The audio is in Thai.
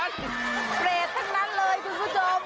เปรตทั้งนั้นเลยคุณผู้ชม